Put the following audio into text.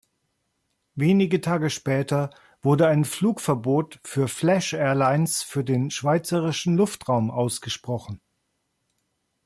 Wenige Tage später wurde ein Flugverbot für Flash Airlines für den schweizerischen Luftraum ausgesprochen.